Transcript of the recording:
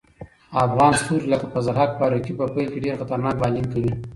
افغان ستوري لکه فضل الحق فاروقي په پیل کې ډېر خطرناک بالینګ کوي.